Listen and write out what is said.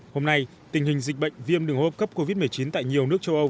hôm nay tình hình dịch bệnh viêm đường hô hấp cấp covid một mươi chín tại nhiều nước châu âu